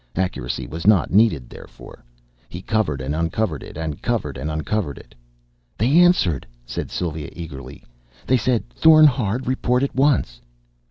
Accuracy was not needed, therefore. He covered and uncovered it, and covered and uncovered it.... "They answered!" said Sylva eagerly. "They said 'Thorn Hard report at once!'"